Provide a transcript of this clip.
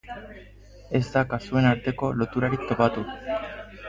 Ez da kasuen arteko loturarik topatu.